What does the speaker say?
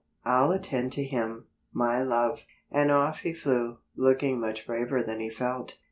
I'll attend to him, my love." And off he flew, looking much braver than he felt.